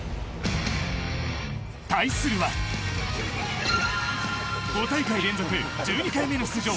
対するは５大会連続１２回目の出場